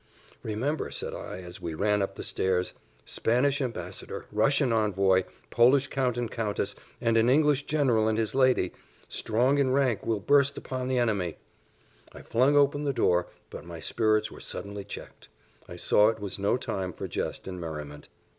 "Remember," said I, as we ran up stairs, "Spanish ambassador, Russian envoy, Polish Count and Countess, and an English general and his lady strong in rank we'll burst upon the enemy." I flung open the door, but my spirits were suddenly checked; I saw it was no time for jest and merriment.